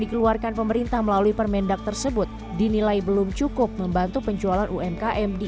mengeluarkan pemerintah melalui percy pada hai dinilai belum cukup membantu penjualan umkm di